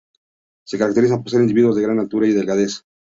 Se caracterizan por ser individuos de gran altura y delgadez.